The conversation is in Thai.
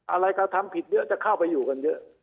อะไรกระทำผิดเยอะจะเข้าไปอยู่กันเยอะ